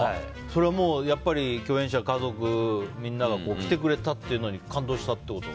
それは共演者、家族のみんなが来てくれたっていうのに感動したってこと？